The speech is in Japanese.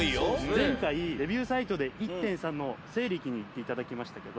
前回レビューサイトで１．３の「勢力」に行っていただきましたけど。